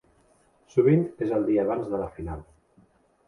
Sovint és el dia abans de la final.